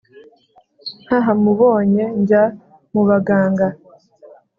ntahamubonye njya mu baganga.